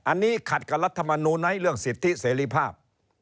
อันนี้ขัดกับรัฐมนูลไหมเรื่องสิทธิเสรีภาพ